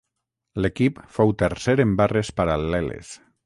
L'equip fou tercer en barres paral·leles.